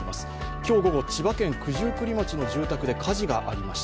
今日午後、千葉県九十九里町の住宅で火事がありました。